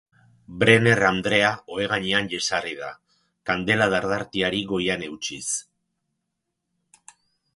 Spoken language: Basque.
Brener andrea ohe gainean jesarri da, kandela dardaratiari goian eutsiz.